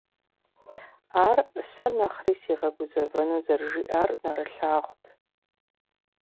Ар сэ нэхъри сигъэгузэвэну зэрыжиӀар нэрылъагъут.